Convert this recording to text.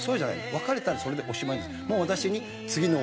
別れたらそれでおしまいです。